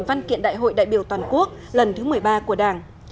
văn kiện đại hội đại biểu toàn quốc lần thứ một mươi ba của đảng